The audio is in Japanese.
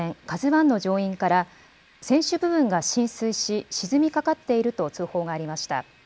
ＫＡＺＵわんの乗員から、船首部分が浸水し、沈みかかっていると通報がありました。